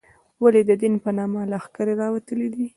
ولې د دین په نامه لښکرې راوتلې دي.